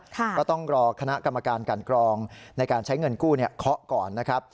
ก็ต้องรอคณะกรรมการกันกรองในการใช้เงินกู้เคาะก่อนนะครับ